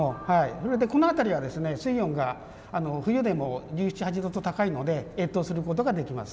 それでこの辺りはですね水温が冬でも１７１８℃と高いので越冬することができます。